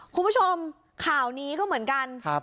คุณผู้ชมข่าวนี้ก็เหมือนกัน